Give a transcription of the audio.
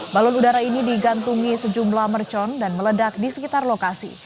balon udara ini digantungi sejumlah mercon dan meledak di sekitar lokasi